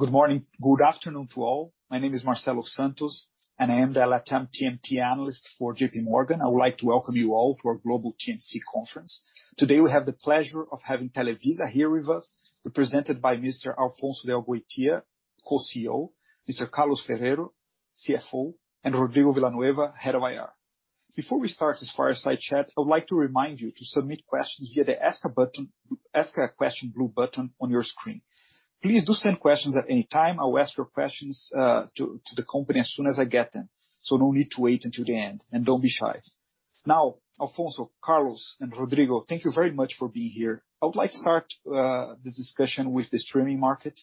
Good morning. Good afternoon to all. My name is Marcelo Santos, and I am the LATAM TMT analyst for JPMorgan. I would like to welcome you all to our global TMT conference. Today, we have the pleasure of having Televisa here with us, represented by Mr. Alfonso de Angoitia, Co-CEO, Mr. Carlos Ferreiro, CFO, and Rodrigo Villanueva, Head of IR. Before we start this fireside chat, I would like to remind you to submit questions via the Ask a Question blue button on your screen. Please do send questions at any time. I will ask your questions to the company as soon as I get them. No need to wait until the end, and don't be shy. Now, Alfonso, Carlos, and Rodrigo, thank you very much for being here. I would like to start the discussion with the streaming market.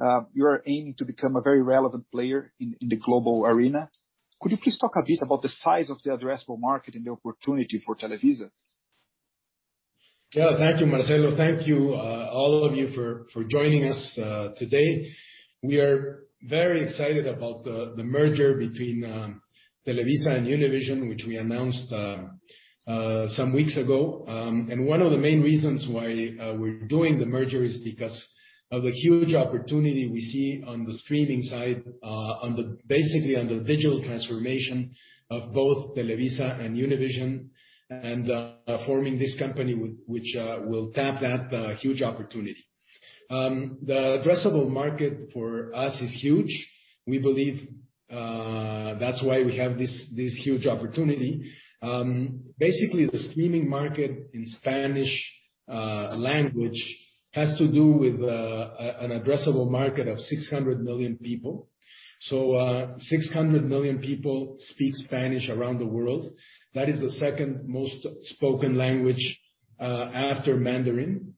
You are aiming to become a very relevant player in the global arena. Could you please talk a bit about the size of the addressable market and the opportunity for Televisa? Yeah. Thank you, Marcelo. Thank you all of you for joining us today. We are very excited about the merger between Televisa and Univision, which we announced some weeks ago. One of the main reasons why we're doing the merger is because of the huge opportunity we see on the streaming side, basically on the digital transformation of both Televisa and Univision, and forming this company which will tap that huge opportunity. The addressable market for us is huge. We believe, that's why we have this huge opportunity. Basically, the streaming market in Spanish language has to do with an addressable market of 600 million people. 600 million people speak Spanish around the world. That is the second most spoken language after Mandarin.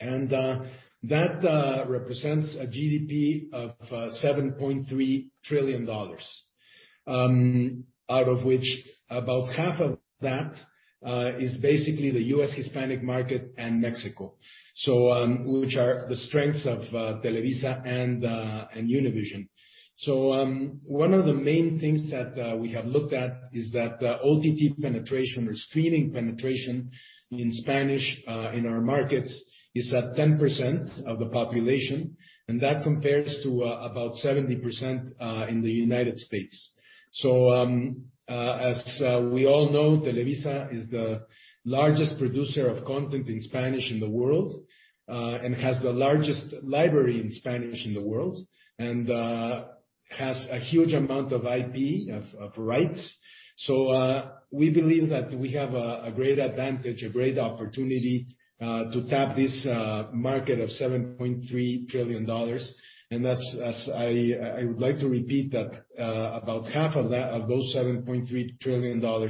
That represents a GDP of $7.3 trillion, out of which about half of that is basically the U.S. Hispanic market and Mexico. Which are the strengths of Televisa and Univision. One of the main things that we have looked at is that the OTT penetration or streaming penetration in Spanish in our markets is at 10% of the population, and that compares to about 70% in the U.S. As we all know, Televisa is the largest producer of content in Spanish in the world, and has the largest library in Spanish in the world, and has a huge amount of IP of rights. We believe that we have a great advantage, a great opportunity, to tap this market of $7.3 trillion. I would like to repeat that about half of those $7.3 trillion are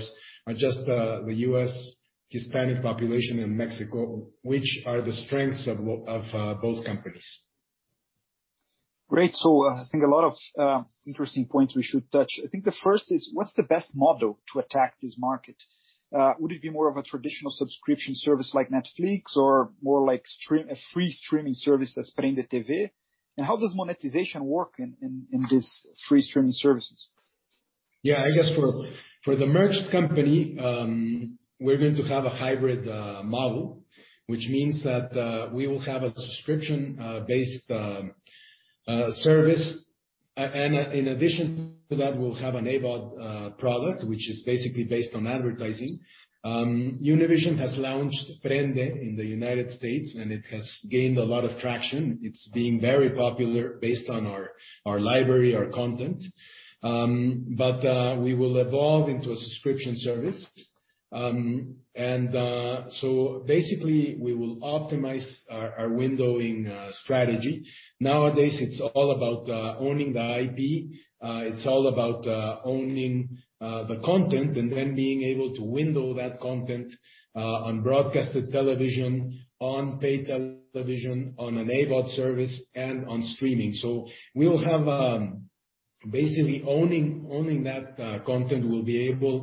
just the U.S. Hispanic population and Mexico, which are the strengths of both companies. Great. I think a lot of interesting points we should touch. I think the first is, what's the best model to attack this market? Would it be more of a traditional subscription service like Netflix or more like a free streaming service as PrendeTV? How does monetization work in these free streaming services? Yeah, I guess for the merged company, we are going to have a hybrid model, which means that we will have a subscription-based service. In addition to that, we will have an AVOD product, which is basically based on advertising. Univision has launched Prende in the U.S., and it has gained a lot of traction. It has been very popular based on our library, our content, but we will evolve into a subscription service. Basically, we will optimize our windowing strategy. Nowadays, it is all about owning the IP, it's all about owning the content and then being able to window that content on broadcast television, on pay television, on an AVOD service, and on streaming. We will have basically owning that content.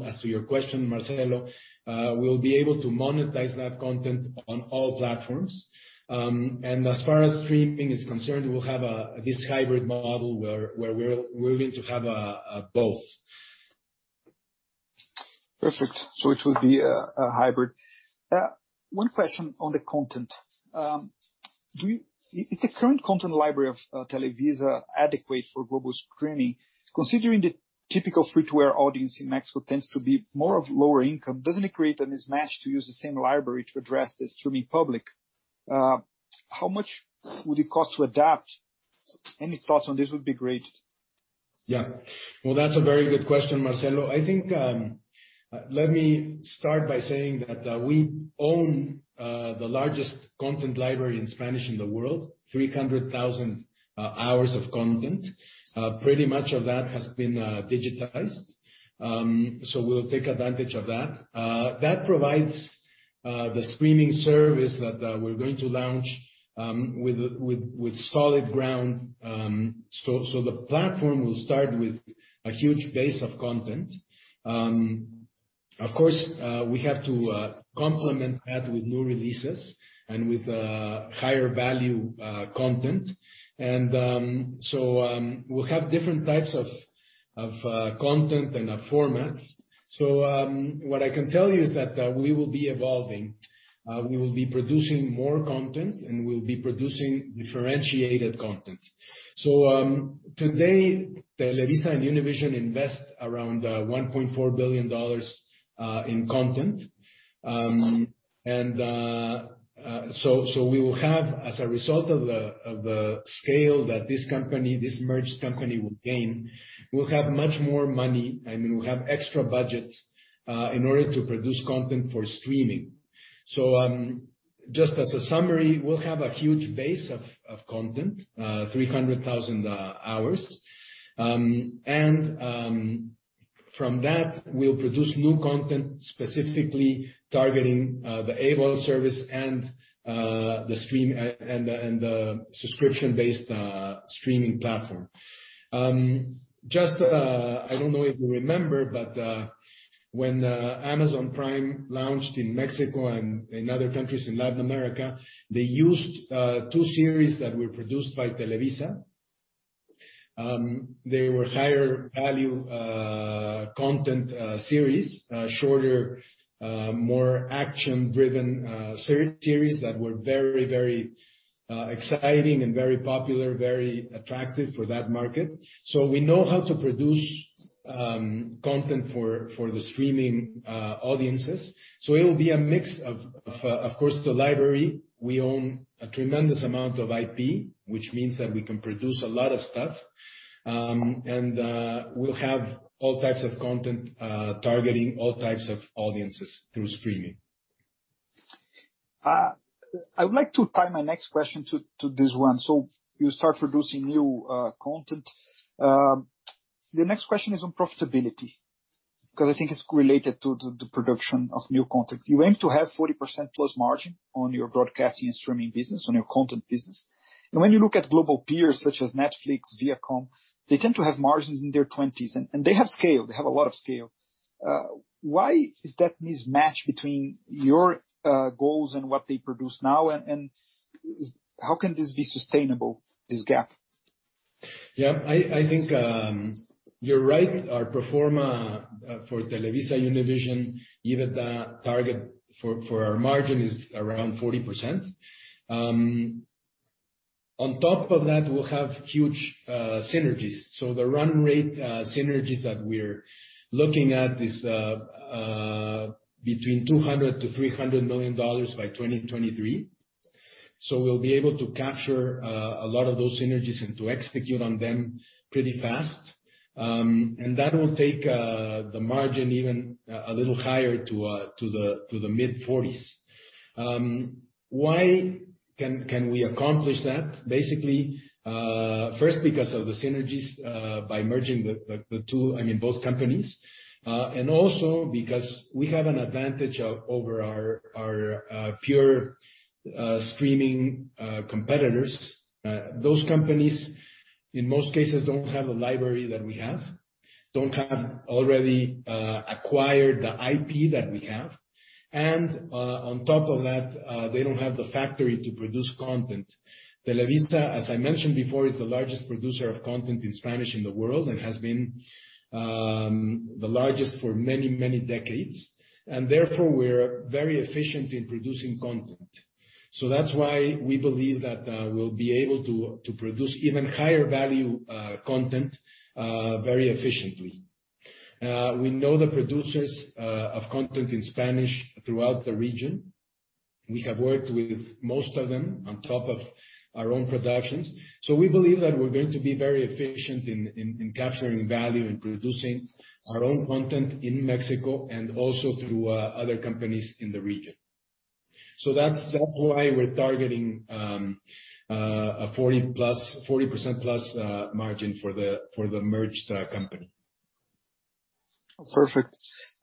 As to your question, Marcelo, we will be able to monetize that content on all platforms. As far as streaming is concerned, we'll have this hybrid model where we're going to have both. Perfect. It will be a hybrid. One question on the content. Is the current content library of Televisa adequate for global streaming? Considering the typical free-to-air audience in Mexico tends to be more of lower income, doesn't it create a mismatch to use the same library to address the streaming public? How much would it cost to adapt? Any thoughts on this would be great. Yeah. Well, that's a very good question, Marcelo. Let me start by saying that we own the largest content library in Spanish in the world, 300,000 hours of content. Pretty much all that has been digitized, so we'll take advantage of that. That provides the streaming service that we're going to launch with solid ground. The platform will start with a huge base of content. Of course, we have to complement that with new releases and with higher value content. We'll have different types of content and format. What I can tell you is that we will be evolving, we will be producing more content, and we'll be producing differentiated content. Today, Televisa and Univision invest around $1.4 billion in content. We will have, as a result of the scale that this merged company will gain, we'll have much more money, and we'll have extra budget in order to produce content for streaming. Just as a summary, we'll have a huge base of content, 300,000 hours. From that, we'll produce new content specifically targeting the AVOD service and the subscription-based streaming platform. I don't know if you remember, when Amazon Prime launched in Mexico and in other countries in Latin America, they used two series that were produced by Televisa. They were higher value content series, shorter, more action-driven series that were very exciting and very popular, very attractive for that market. We know how to produce content for the streaming audiences. It will be a mix of course, the library. We own a tremendous amount of IP, which means that we can produce a lot of stuff. We'll have all types of content targeting all types of audiences through streaming. I'd like to tie my next question to this one. You start producing new content. The next question is on profitability, because I think it's related to the production of new content. You aim to have 40%-plus margin on your broadcasting and streaming business, on your content business. When you look at global peers such as Netflix, Viacom, they tend to have margins in their 20s, and they have scale. They have a lot of scale. Why is that mismatch between your goals and what they produce now, and how can this be sustainable, this gap? Yeah, I think you're right. Our pro forma for TelevisaUnivision, EBITDA the target for our margin is around 40%. On top of that, we'll have huge synergies. The run rate synergies that we're looking at is between $200 million-$300 million by 2023. We'll be able to capture a lot of those synergies and to execute on them pretty fast. That will take the margin even a little higher to the mid-40s. Why can we accomplish that? Basically, first because of the synergies by merging the two and in both companies, also because we have an advantage over our pure streaming competitors. Those companies, in most cases, don't have a library that we have, don't have already acquired the IP that we have. On top of that, they don't have the factory to produce content. Televisa, as I mentioned before, is the largest producer of content in Spanish in the world and has been the largest for many, many decades, and therefore, we are very efficient in producing content. That's why we believe that we'll be able to produce even higher value content very efficiently. We know the producers of content in Spanish throughout the region. We have worked with most of them on top of our own productions. We believe that we're going to be very efficient in capturing value and producing our own content in Mexico and also through other companies in the region. That's why we're targeting a 40%-plus margin for the merged company. Perfect.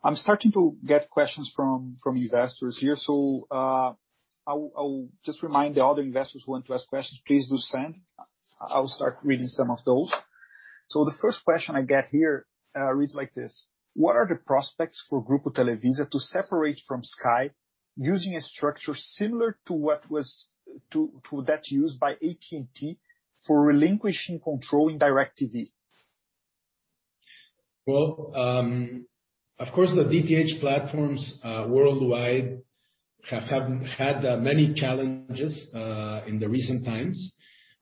I'm starting to get questions from investors here. I'll just remind the other investors who want to ask questions, please do send. I'll start reading some of those. The first question I get here reads like this: What are the prospects for Grupo Televisa to separate from Sky using a structure similar to that used by AT&T for relinquishing control in DIRECTV? Of course, the DTH platforms worldwide have had many challenges in the recent times.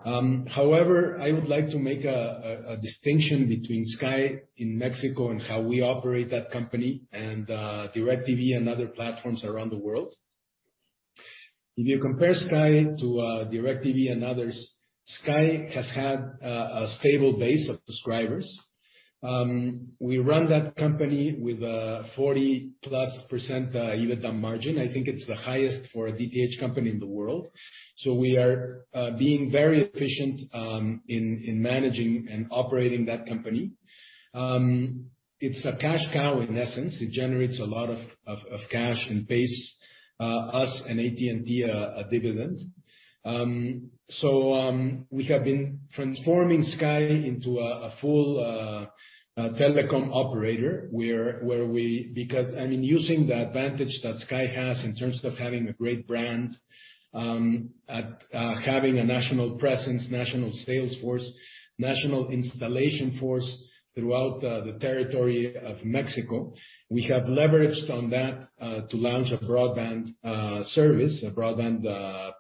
However, I would like to make a distinction between Sky México and how we operate that company and DIRECTV and other platforms around the world. If you compare Sky to DIRECTV and others, Sky has had a stable base of subscribers. We run that company with a 40%-plus EBITDA margin. I think it's the highest for a DTH company in the world. We are being very efficient in managing and operating that company. It's a cash cow, in essence. It generates a lot of cash and pays us and AT&T a dividend. We have been transforming Sky into a full telecom operator. Using the advantage that Sky has in terms of having a great brand, having a national presence, national sales force, national installation force throughout the territory of Mexico, we have leveraged on that to launch a broadband service, a broadband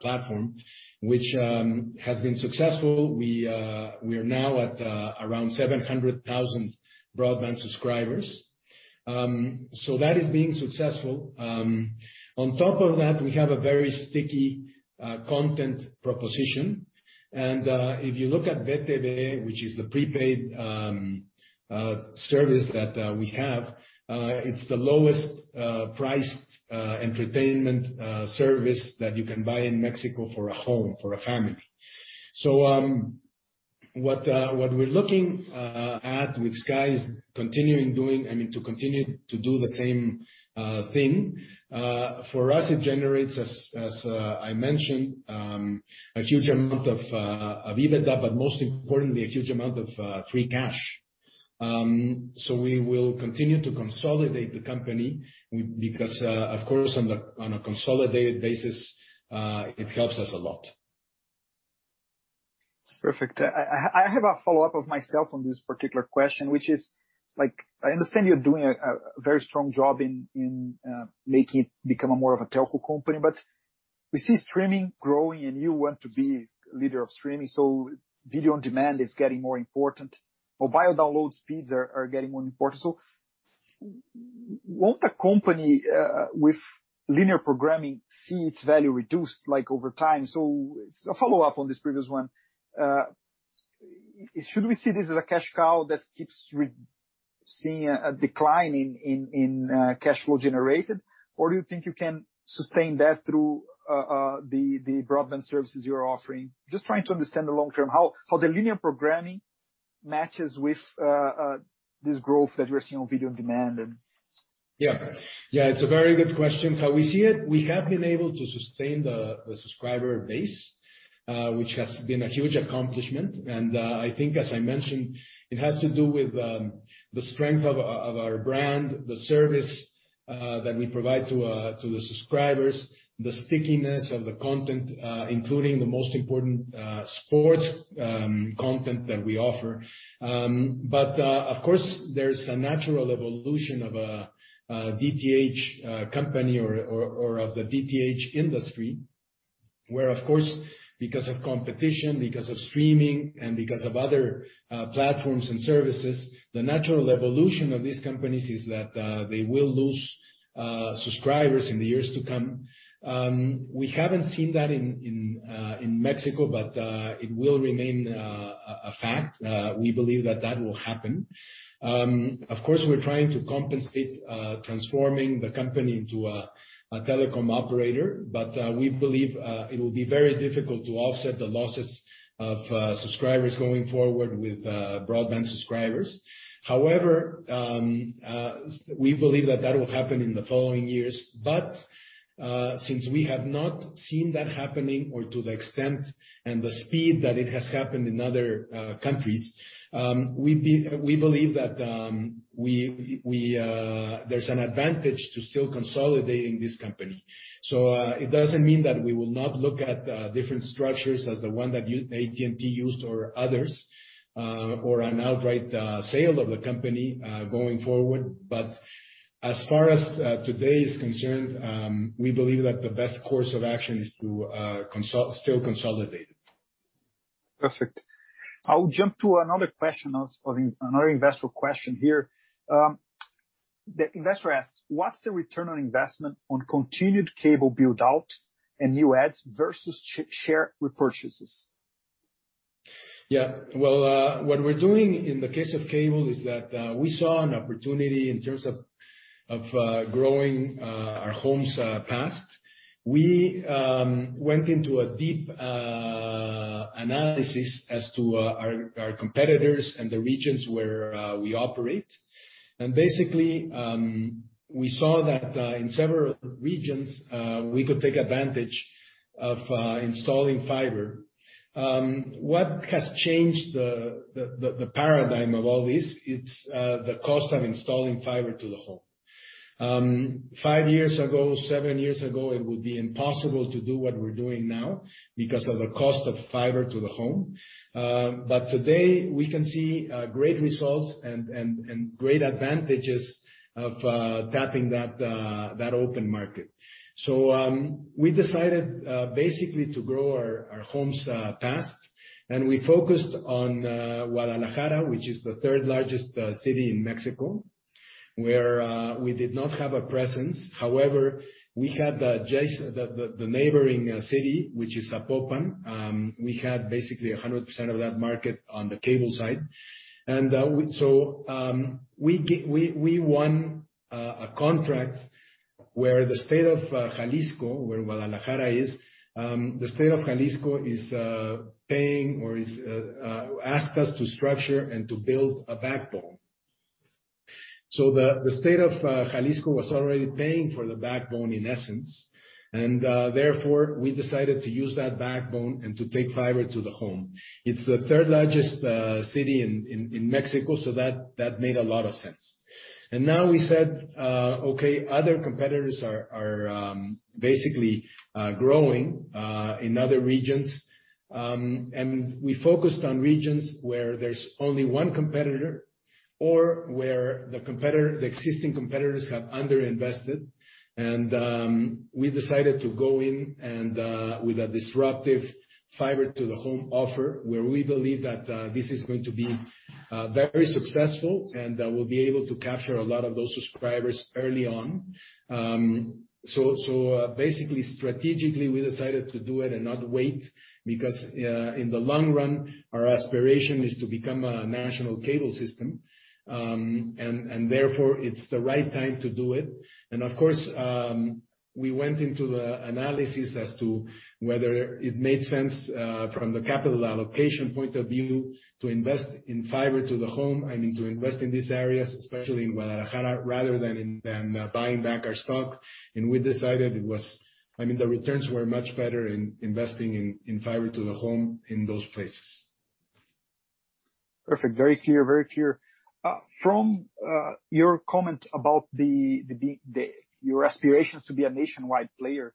platform, which has been successful. We are now at around 700,000 broadband subscribers, so that is being successful. On top of that, we have a very sticky content proposition. If you look at VeTV, which is the prepaid service that we have, it's the lowest priced entertainment service that you can buy in Mexico for a home, for a family. What we're looking at with Sky is to continue to do the same thing. For us, it generates, as I mentioned, a huge amount of EBITDA, but most importantly, a huge amount of free cash. We will continue to consolidate the company because, of course, on a consolidated basis, it helps us a lot. Perfect. I have a follow-up of myself on this particular question, which is, I understand you're doing a very strong job in making it become more of a telecom company, but we see streaming growing and you want to be a leader of streaming, so video on demand is getting more important. Mobile download speeds are getting more important. Won't a company with linear programming see its value reduced over time? It's a follow-up on this previous one. Should we see this as a cash cow that keeps seeing a decline in cash flow generated, or do you think you can sustain that through the broadband services you're offering? Just trying to understand the long term how the linear programming matches with this growth that you're seeing on video on demand. Yeah, it's a very good question. How we see it, we have been able to sustain the subscriber base, which has been a huge accomplishment. I think as I mentioned, it has to do with the strength of our brand, the service that we provide to the subscribers, the stickiness of the content, including the most important sports content that we offer. Of course, there's a natural evolution of a DTH company or of the DTH industry, where of course, because of competition, because of streaming and because of other platforms and services, the natural evolution of these companies is that they will lose subscribers in the years to come. We haven't seen that in Mexico, but it will remain a fact. We believe that will happen. Of course, we're trying to compensate, transforming the company into a telecom operator. We believe it will be very difficult to offset the losses of subscribers going forward with broadband subscribers. However, we believe that will happen in the following years. Since we have not seen that happening or to the extent and the speed that it has happened in other countries, we believe that there's an advantage to still consolidating this company. It doesn't mean that we will not look at different structures as the one that AT&T used or others, or an outright sale of the company, going forward. As far as today is concerned, we believe that the best course of action is to still consolidate. Perfect. I will jump to another investor question here. The investor asks, What's the return on investment on continued cable build-out and new adds versus share repurchases? Yeah. Well, what we're doing in the case of cable is that we saw an opportunity in terms of growing our homes passed. We went into a deep analysis as to our competitors and the regions where we operate. Basically, we saw that in several regions, we could take advantage of installing fiber. What has changed the paradigm of all this, it's the cost of installing fiber to the home. Five years ago, seven years ago, it would be impossible to do what we're doing now because of the cost of fiber to the home. Today, we can see great results and great advantages of tapping that open market. We decided basically to grow our homes passed, and we focused on Guadalajara, which is the third-largest city in Mexico, where we did not have a presence. However, we had the neighboring city, which is Zapopan. We had basically 100% of that market on the cable side. We won a contract where the state of Jalisco is paying or asked us to structure and to build a backbone. The state of Jalisco was already paying for the backbone, in essence, and therefore we decided to use that backbone and to take fiber to the home. It's the third largest city in Mexico, so that made a lot of sense. Now we said, okay, other competitors are basically growing in other regions, and we focused on regions where there's only one competitor or where the existing competitors have under-invested. We decided to go in and with a disruptive fiber to the home offer, where we believe that this is going to be very successful, and that we'll be able to capture a lot of those subscribers early on. Basically, strategically we decided to do it and not wait, because in the long run, our aspiration is to become a national cable system, and therefore it's the right time to do it. Of course, we went into the analysis as to whether it made sense from the capital allocation point of view to invest in fiber to the home and to invest in these areas, especially in Guadalajara, rather than buying back our stock. We decided the returns were much better in investing in fiber to the home in those places. Perfect, very clear. From your comment about your aspirations to be a nationwide player,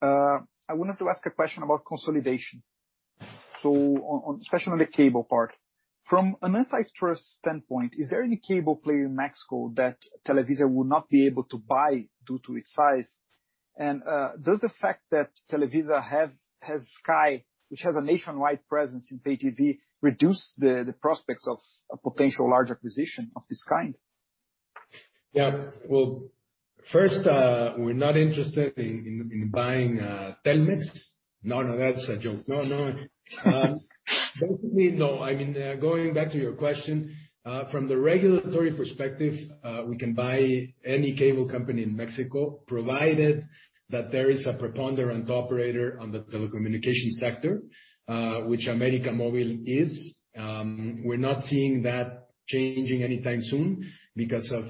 I wanted to ask a question about consolidation. Especially on the cable part. From an antitrust standpoint, is there any cable player in Mexico that Televisa would not be able to buy due to its size? Does the fact that Televisa has Sky, which has a nationwide presence in pay TV, reduce the prospects of a potential large acquisition of this kind? Yeah. Well, first we're not interested in buying Telmex. No, that's a joke. No. No. Going back to your question, from the regulatory perspective, we can buy any cable company in Mexico, provided that there is a preponderant operator on the telecommunication sector, which América Móvil is. We're not seeing that changing anytime soon because of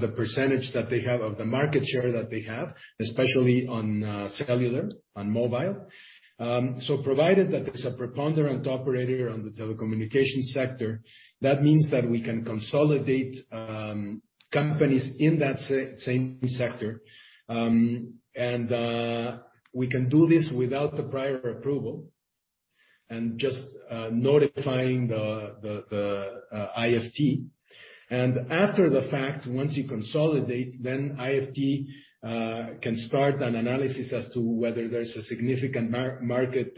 the percentage that they have, of the market share that they have, especially on cellular, on mobile. Provided that there's a preponderant operator on the telecommunication sector, that means that we can consolidate companies in that same sector. We can do this without the prior approval and just notifying the IFT. After the fact, once you consolidate, IFT can start an analysis as to whether there's a significant market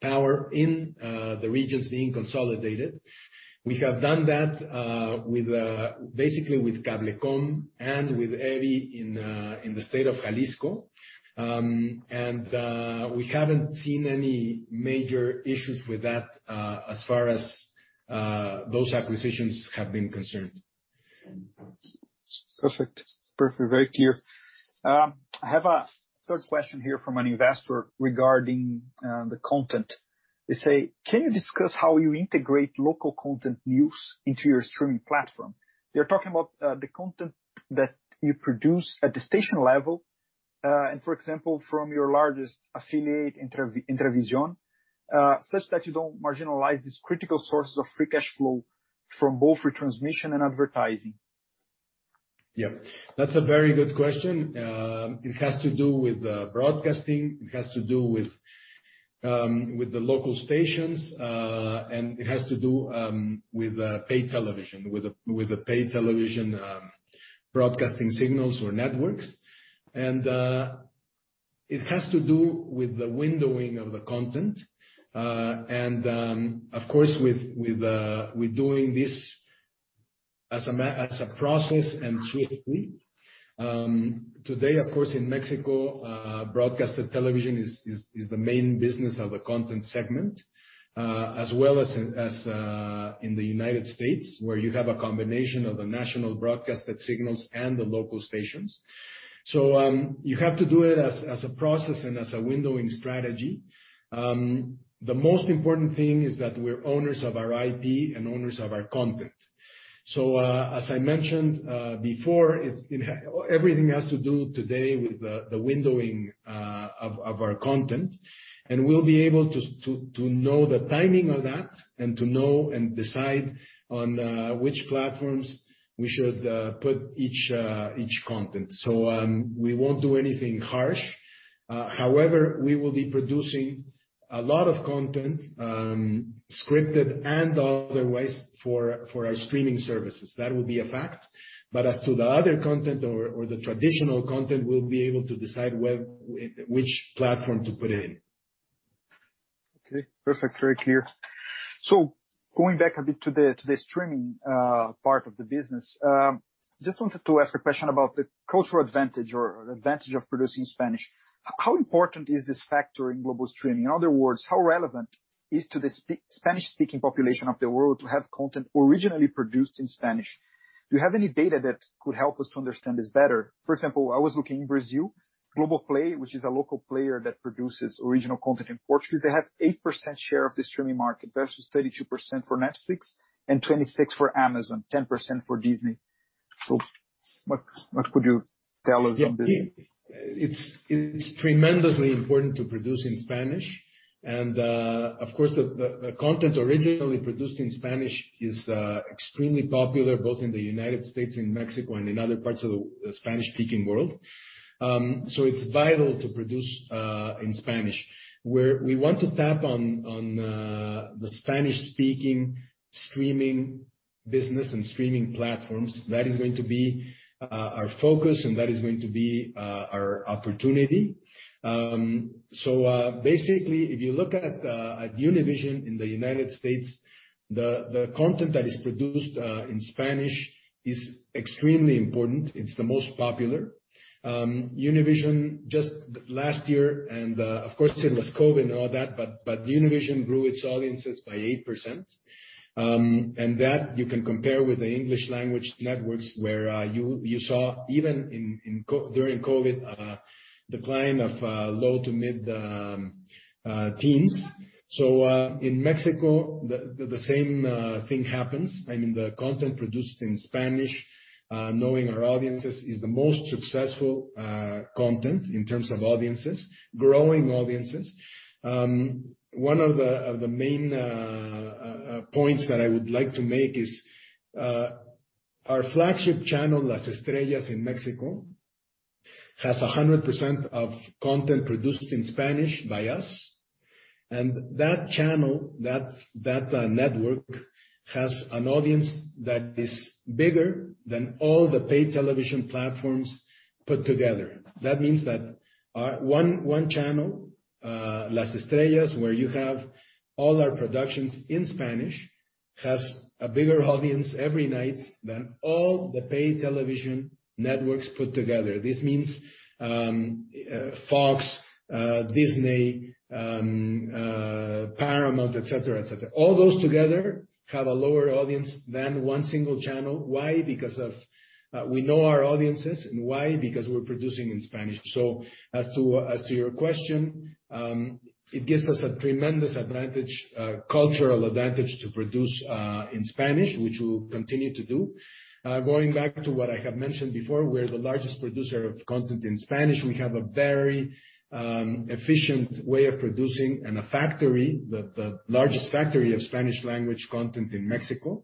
power in the regions being consolidated. We have done that basically with Cablecom and with Telecable in the state of Jalisco. We haven't seen any major issues with that as far as those acquisitions have been concerned. Perfect, very clear. I have a third question here from an investor regarding the content. They say, Can you discuss how you integrate local content news into your streaming platform? You're talking about the content that you produce at the station level, and for example, from your largest affiliate Intervisión, such that you don't marginalize these critical sources of free cash flow from both retransmission and advertising. Yeah. That's a very good question. It has to do with broadcasting, it has to do with the local stations, and it has to do with paid television, with the paid television broadcasting signals or networks. It has to do with the windowing of the content. Of course, with doing this as a process and swiftly. Today, of course in Mexico, broadcasted television is the main business of the content segment, as well as in the U.S., where you have a combination of the national broadcasted signals and the local stations. You have to do it as a process and as a windowing strategy. The most important thing is that we're owners of our IP and owners of our content. As I mentioned before, everything has to do today with the windowing of our content, and we'll be able to know the timing of that and to know and decide on which platforms we should put each content. We won't do anything harsh. However, we will be producing a lot of content, scripted and otherwise, for our streaming services. That will be a fact, but as to the other content or the traditional content, we'll be able to decide which platform to put in. Okay, perfect. Right here. Going back a bit to the streaming part of the business. Just wanted to ask a question about the cultural advantage or advantage of producing Spanish. How important is this factor in global streaming? In other words, how relevant is to the Spanish-speaking population of the world to have content originally produced in Spanish? Do you have any data that could help us to understand this better? For example, I was looking in Brazil, Globoplay, which is a local player that produces original content in Portuguese. They have 8% share of the streaming market versus 32% for Netflix and 26% for Amazon, 10% for Disney. What could you tell us on this? It's tremendously important to produce in Spanish, and of course, the content originally produced in Spanish is extremely popular both in the U.S. and Mexico and in other parts of the Spanish-speaking world. It's vital to produce in Spanish. Where we want to tap on the Spanish-speaking streaming business and streaming platforms, that is going to be our focus, and that is going to be our opportunity. Basically, if you look at Univision in the U.S., the content that is produced in Spanish is extremely important. It's the most popular. Univision just last year, and of course during COVID and all that, but Univision grew its audiences by 8%. That you can compare with the English language networks where you saw even during COVID, decline of low to mid teens. In Mexico, the same thing happens. I mean, the content produced in Spanish, knowing our audiences, is the most successful content in terms of audiences, growing audiences. One of the main points that I would like to make is our flagship channel, Las Estrellas in Mexico, has 100% of content produced in Spanish by us, and that channel, that network, has an audience that is bigger than all the paid television platforms put together. That means that one channel, Las Estrellas, where you have all our productions in Spanish, has a bigger audience every night than all the paid television networks put together. This means Fox, Disney, Paramount, et cetera. All those together have a lower audience than one single channel. Why? Because we know our audiences and why? Because we're producing in Spanish. As to your question, it gives us a tremendous advantage, cultural advantage, to produce in Spanish, which we'll continue to do. Going back to what I have mentioned before, we're the largest producer of content in Spanish. We have a very efficient way of producing and a factory, the largest factory of Spanish language content in Mexico.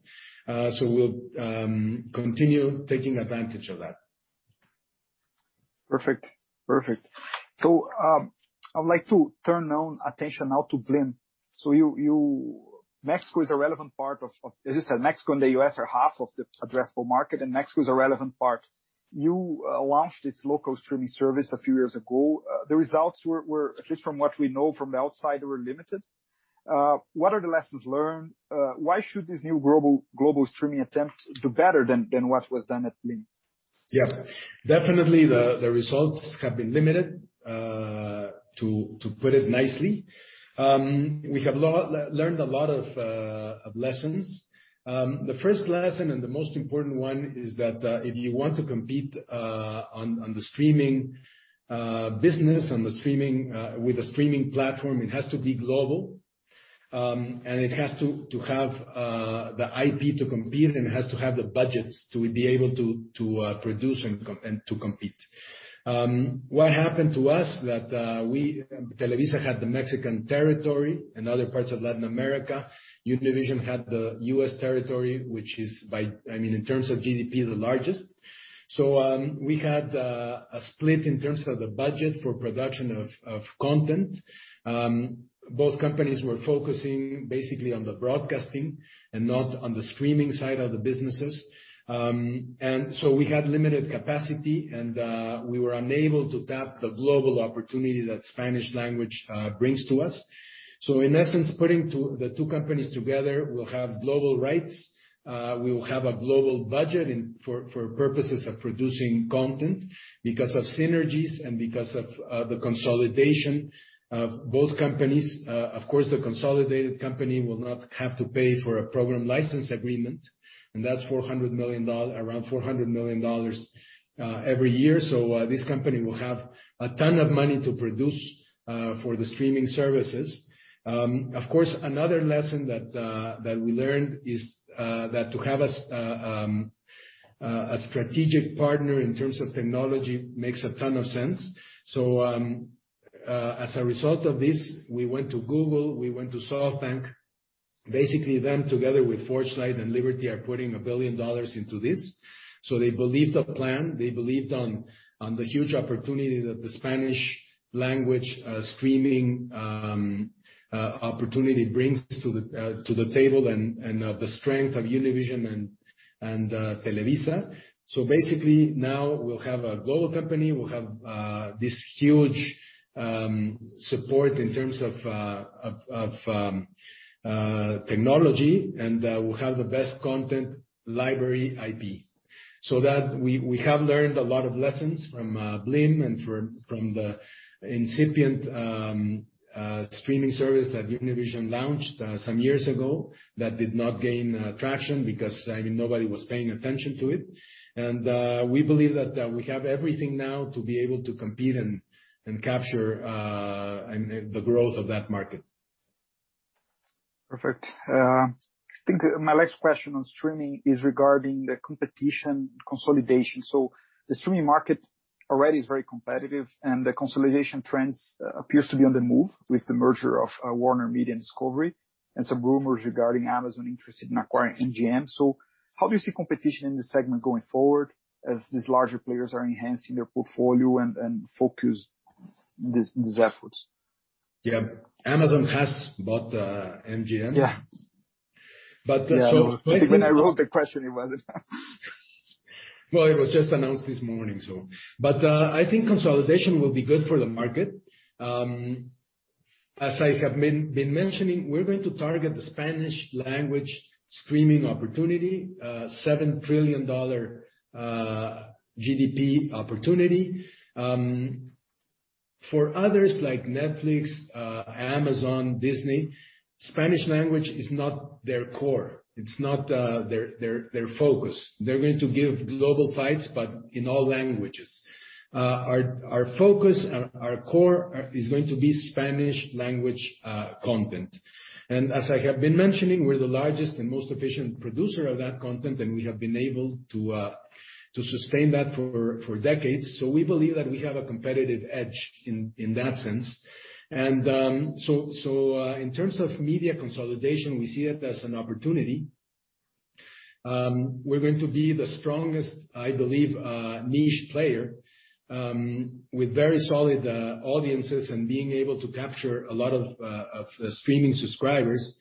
We'll continue taking advantage of that. Perfect. I'd like to turn attention now to Blim. Mexico and the U.S. are half of the addressable market, and Mexico is a relevant part. You launched its local streaming service a few years ago. The results were, at least from what we know from the outside, limited. What are the lessons learned? Why should this new global streaming attempt do better than what was done at Blim? Yeah, definitely the results have been limited, to put it nicely. We have learned a lot of lessons. The first lesson, and the most important one, is that if you want to compete on the streaming business, with a streaming platform, it has to be global, and it has to have the IP to compete, and it has to have the budgets to be able to produce and to compete. What happened to us that Televisa had the Mexican territory and other parts of Latin America. Univision had the U.S. territory, which is, in terms of GDP, the largest. We had a split in terms of the budget for production of content. Both companies were focusing basically on the broadcasting and not on the streaming side of the businesses. We had limited capacity, and we were unable to tap the global opportunity that Spanish language brings to us. In essence, putting the two companies together, we'll have global rights, we will have a global budget for purposes of producing content because of synergies and because of the consolidation of both companies. Of course, the consolidated company will not have to pay for a program license agreement, and that's around $400 million every year. This company will have a ton of money to produce for the streaming services. Of course, another lesson that we learned is that to have a strategic partner in terms of technology makes a ton of sense. As a result of this, we went to Google, we went to SoftBank. Basically, them together with ForgeLight and Liberty are putting a billion into this. They believed the plan. They believed on the huge opportunity that the Spanish language streaming opportunity brings to the table and the strength of Univision and Televisa. Basically now we'll have a global company. We'll have this huge support in terms of technology, and we have the best content library IP. We have learned a lot of lessons from Blim and from the incipient streaming service that Univision launched some years ago that did not gain traction because nobody was paying attention to it, and we believe that we have everything now to be able to compete and capture the growth of that market. Perfect. I think my next question on streaming is regarding the competition consolidation. The streaming market already is very competitive, and the consolidation trends appear to be on the move with the merger of WarnerMedia and Discovery, and some rumors regarding Amazon interested in acquiring MGM. How do you see competition in this segment going forward as these larger players are enhancing their portfolio and focus these efforts? Yeah. Amazon has bought MGM. Yeah. But so- Even when I wrote the question, it was. Well, it was just announced this morning, but I think consolidation will be good for the market. As I have been mentioning, we're going to target the Spanish language streaming opportunity, $7 trillion GDP opportunity. For others like Netflix, Amazon, Disney, Spanish language is not their core. It's not their focus. They're going to give global fights, but in all languages. Our focus, our core is going to be Spanish language content. As I have been mentioning, we're the largest and most efficient producer of that content, and we have been able to sustain that for decades. We believe that we have a competitive edge in that sense. In terms of media consolidation, we see it as an opportunity. We're going to be the strongest, I believe, niche player with very solid audiences and being able to capture a lot of streaming subscribers.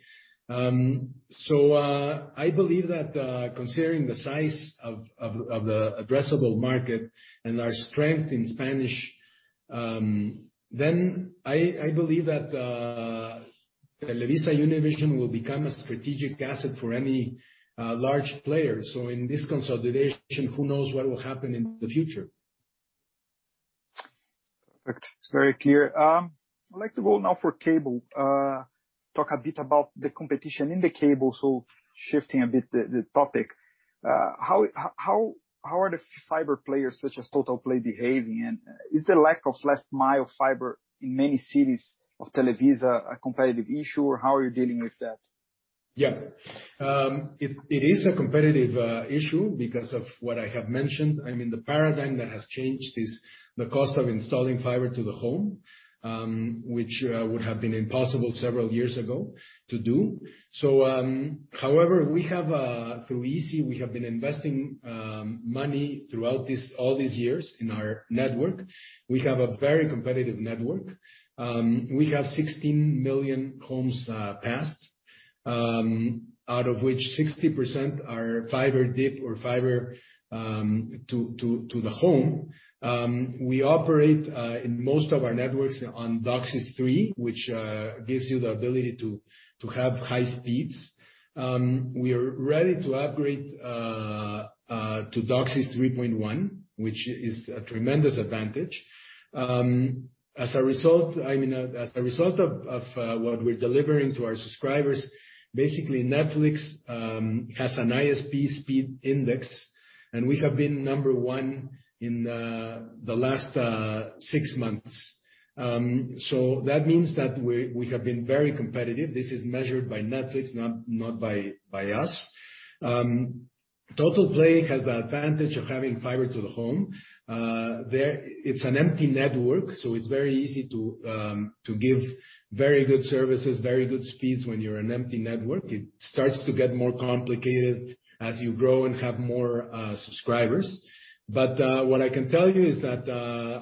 I believe that considering the size of the addressable market and our strength in Spanish, then I believe that TelevisaUnivision will become a strategic asset for any large player. In this consolidation, who knows what will happen in the future? It's very clear. I'd like to go now for cable. Talk a bit about the competition in the cable, so shifting a bit the topic. How are the fiber players such as Totalplay behaving, and is the lack of last mile fiber in many cities of Televisa a competitive issue, or how are you dealing with that? It is a competitive issue because of what I have mentioned. I mean, the paradigm that has changed is the cost of installing fiber to the home, which would have been impossible several years ago to do. However, through Izzi, we have been investing money throughout all these years in our network. We have a very competitive network. We have 16 million homes passed, out of which 60% are fiber deep or fiber to the home. We operate in most of our networks on DOCSIS 3.0, which gives you the ability to have high speeds. We are ready to upgrade to DOCSIS 3.1, which is a tremendous advantage. As a result of what we're delivering to our subscribers, basically Netflix has an ISP speed index, and we have been number one in the last six months. That means that we have been very competitive. This is measured by Netflix, not by us. Totalplay has the advantage of having fiber to the home. It's an empty network, so it's very easy to give very good services, very good speeds when you're an empty network. It starts to get more complicated as you grow and have more subscribers. What I can tell you is that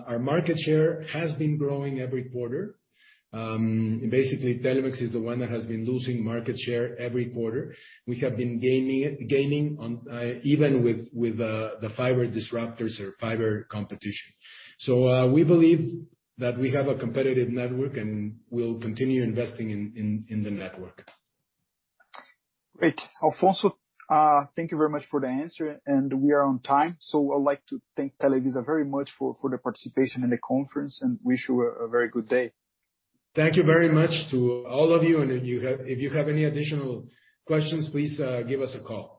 our market share has been growing every quarter. Basically, Telmex is the one that has been losing market share every quarter. We have been gaining even with the fiber disruptors or fiber competition. We believe that we have a competitive network, and we'll continue investing in the network. Great. Alfonso, thank you very much for the answer, and we are on time, so I'd like to thank Televisa very much for the participation in the conference and wish you a very good day. Thank you very much to all of you. If you have any additional questions, please give us a call.